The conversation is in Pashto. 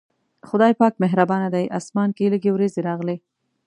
خدای پاک مهربانه دی، اسمان کې لږې وريځې راغلې.